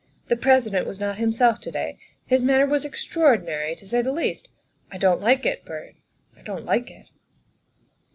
The President was not himself to day; his manner was extraordinary, to say the least. I don't like it, Byrd; I don't like it."